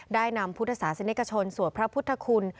ได้นำพุทธศาสตร์เศรษฐกชนสวัสดิ์พระพุทธคุณ